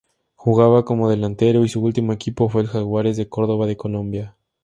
Jugaba como delantero y su ultimo equipo fue el Jaguares de Córdoba de Colombia.